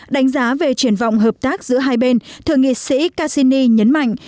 đánh giá về triển vọng hợp tác giữa hai bên thượng nghị sĩ kassini nhấn mạnh